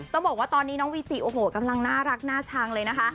ต้องบอกว่าตอนนี้น้องวีจิโอ้โหกำลังน่ารักน่าชังเลยนะคะ